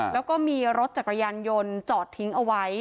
แล้วก็มีรถจักรยานยนต์จอดทิ้งเอาไว้